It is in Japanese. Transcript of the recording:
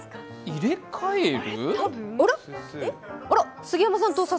入れ替える？